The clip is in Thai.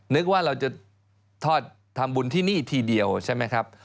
นึกว่าเราจะทอดทำบุญที่นี่ทีเดียวใช่ไหมครับ